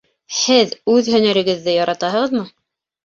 Һеҙ үҙ һәнәрегеҙҙе яратаһығыҙмы?